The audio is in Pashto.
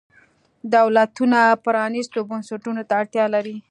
دولتونه پرانیستو بنسټونو ته اړتیا لري.